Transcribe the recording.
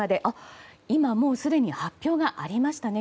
今、すでに発表がありましたね。